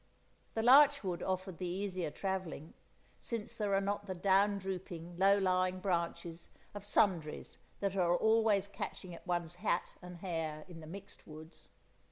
The larch wood offered the easier travelling, since there are not the down drooping, low lying branches of sundries that are always catching at one's hat and hair in the mixed woods.